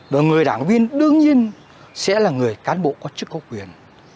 và người đảng viên đương nhiên sẽ là người cán bộ có chức có quyền